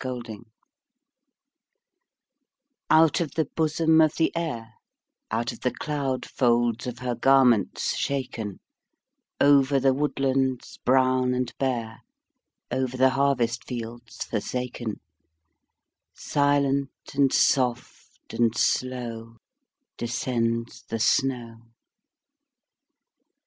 SNOW FLAKES Out of the bosom of the Air, Out of the cloud folds of her garments shaken, Over the woodlands brown and bare, Over the harvest fields forsaken, Silent, and soft, and slow Descends the snow.